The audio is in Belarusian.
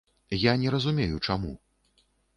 Я не разумею, чаму.